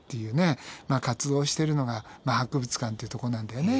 活動をしてるのが博物館っていうとこなんだよね。